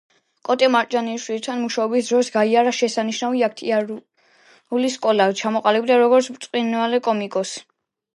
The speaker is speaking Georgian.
კოტე მარჯანიშვილთან მუშაობის დროს გაიარა შესანიშნავი აქტიორული სკოლა, ჩამოყალიბდა როგორც ბრწყინვალე კომიკოსი.